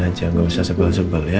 udah biarin aja enggak usah sebel sebel ya